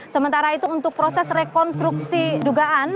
sementara itu untuk proses rekonstruksi dugaan